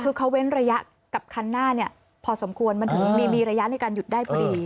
คือเขาเว้นระยะกับคันหน้าเนี่ยพอสมควรมันถึงมีระยะในการหยุดได้พอดี